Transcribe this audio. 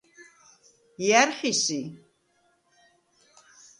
ჲა̈რ ხი სი?